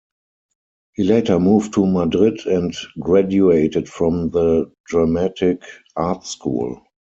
He later moved to Madrid and graduated from the Dramatic Art School.